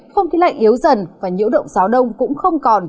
không khí lạnh yếu dần và nhiễu động gió đông cũng không còn